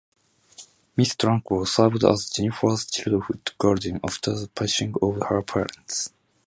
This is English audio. Miss Trunchbull served as Jennifer's childhood guardian after the passing of her parents.